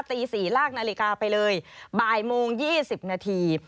ตี๔ลากนาฬิกาไปเลยบ่ายโมง๒๐นาที